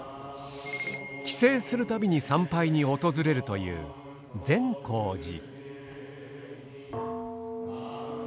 帰省するたびに参拝に訪れるという善光寺。